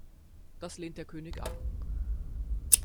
Das lehnt der König ab.